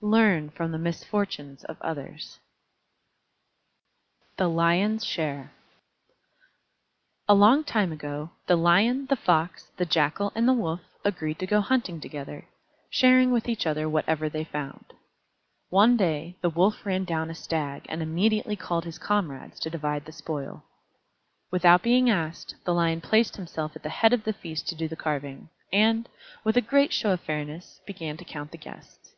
Learn from the misfortunes of others. THE LION'S SHARE A long time ago, the Lion, the Fox, the Jackal, and the Wolf agreed to go hunting together, sharing with each other whatever they found. One day the Wolf ran down a Stag and immediately called his comrades to divide the spoil. Without being asked, the Lion placed himself at the head of the feast to do the carving, and, with a great show of fairness, began to count the guests.